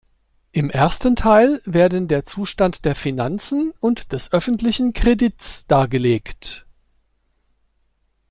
Im ersten Teil werden der Zustand der Finanzen und des öffentlichen Kredits dargelegt.